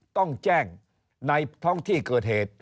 ต้องแจ้งในท้องที่เกิดเหตุ